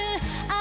あ！